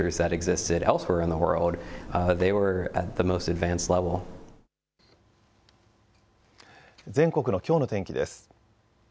全国のきょうの天気です。